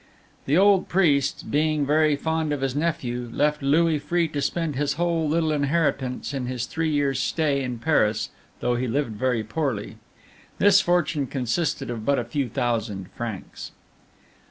The old priest, being very fond of his nephew, left Louis free to spend his whole little inheritance in his three years' stay in Paris, though he lived very poorly. This fortune consisted of but a few thousand francs.